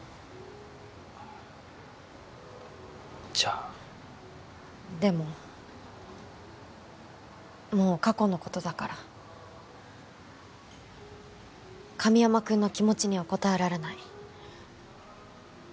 あじゃあでももう過去のことだから神山くんの気持ちには応えられない